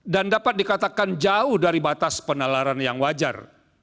dan dapat dikatakan jauh dari batas penalaran yang wajar